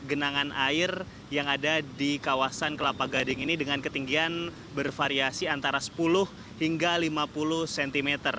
genangan air yang ada di kawasan kelapa gading ini dengan ketinggian bervariasi antara sepuluh hingga lima puluh cm